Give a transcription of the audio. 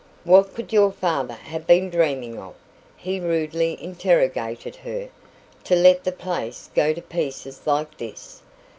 "What could your father have been dreaming of," he rudely interrogated her, "to let the place go to pieces like this?